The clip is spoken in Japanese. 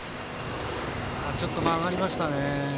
ちょっと曲がりましたね。